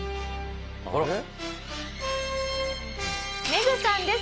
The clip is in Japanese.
メグさんです。